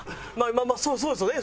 まあまあそうですよね。